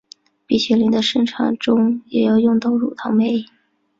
冰淇淋的生产中也要用到乳糖酶。